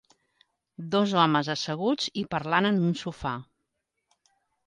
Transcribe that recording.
Dos homes asseguts i parlant en un sofà.